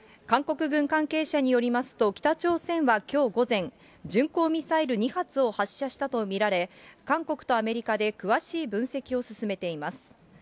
韓国軍関係者によりますと、北朝鮮はきょう午前、巡航ミサイル２発を発射したと見られ、韓国とアメリカで詳しい分析を進めています。